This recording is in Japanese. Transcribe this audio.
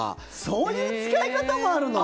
そういう使い方もあるの？